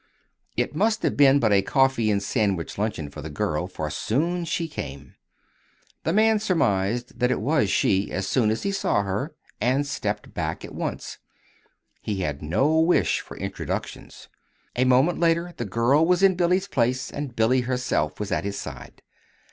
It must have been but a coffee and sandwich luncheon for the girl, for soon she came. The man surmised that it was she, as soon as he saw her, and stepped back at once. He had no wish for introductions. A moment later the girl was in Billy's place, and Billy herself was at his side.